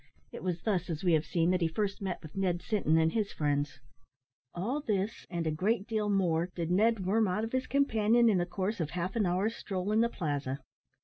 It was thus, as we have seen, that he first met with Ned Sinton and his friends. All this, and a great deal more, did Ned worm out of his companion in the course of half an hour's stroll in the Plaza.